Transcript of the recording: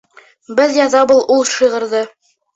Беҙ яҙабыҙ ул шиғырҙы.